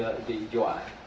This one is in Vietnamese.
đã bị rửa